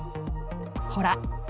ほら！